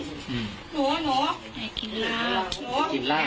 อยากกินราบ